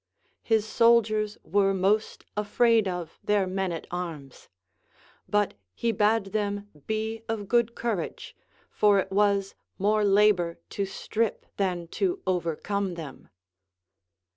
His soldiers Avere most afraid of their men at arms ; but he bade them be of good courage, for it Avas more labor to strip than to OA ercome them.